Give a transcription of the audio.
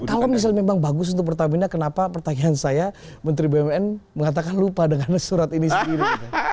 kalau misalnya memang bagus untuk pertamina kenapa pertanyaan saya menteri bumn mengatakan lupa dengan surat ini sendiri